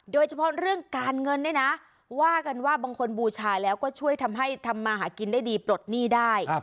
โดยเฉพาะเรื่องการเงินเนี่ยนะว่ากันว่าบางคนบูชาแล้วก็ช่วยทำให้ทำมาหากินได้ดีปลดหนี้ได้